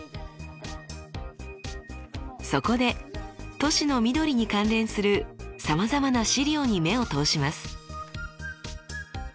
そこで都市の緑に関連するさまざまな資料に目を通します。